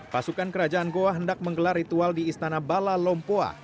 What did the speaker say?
pasukan kerajaan goa hendak menggelar ritual di istana bala lompoa